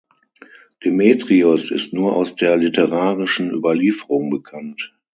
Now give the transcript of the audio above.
Demetrios ist nur aus der literarischen Überlieferung bekannt.